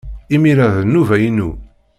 Imir-a, d nnuba-inu.